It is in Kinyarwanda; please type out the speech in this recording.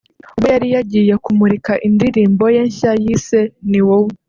ubwo yari yagiye kumurika indirimbo ye nshya yise ‘Ni wowe’